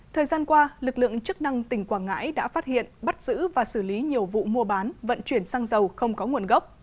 thời gian qua lực lượng chức năng tỉnh quảng ngãi đã phát hiện bắt giữ và xử lý nhiều vụ mua bán vận chuyển xăng dầu không có nguồn gốc